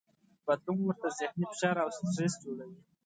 بدلون ورته ذهني فشار او سټرس جوړوي.